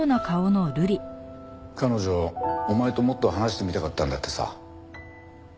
彼女お前ともっと話してみたかったんだってさ。